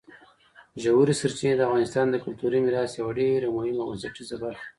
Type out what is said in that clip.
ژورې سرچینې د افغانستان د کلتوري میراث یوه ډېره مهمه او بنسټیزه برخه ده.